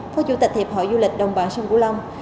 phó chủ tịch hiệp hội du lịch đồng bằng sông cửu long